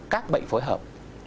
các bệnh phối hợp